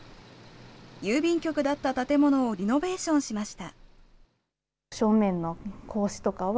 郵便局だった建物をリノベーションしました。